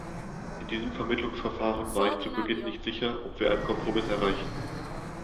In diesem Vermittlungsverfahren war ich zu Beginn nicht sicher, ob wir einen Kompromiss erreichen.